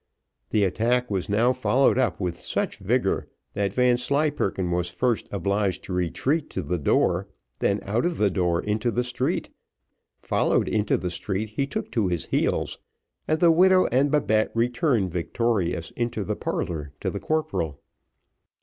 The attack was now followed up with such vigour, that Vanslyperken was first obliged to retreat to the door, then out of the door into the street, followed into the street he took to his heels, and the widow and Babette returned victorious into the parlour to the corporal.